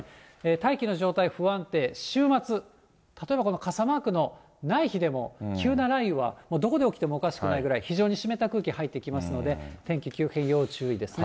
大気の状態不安定、週末、例えばこの傘マークのない日でも、急な雷雨はどこで起きてもおかしくないぐらい、非常に湿った空気入ってきますので、天気急変要注意ですね。